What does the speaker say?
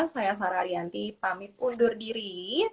saya sarah ariyanti pamit undur diri